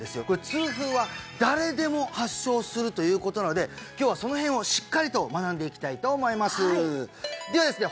痛風は誰でも発症するということなので今日はその辺をしっかりと学んでいきたいと思いますではですね